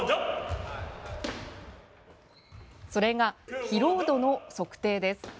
それが疲労度の測定です。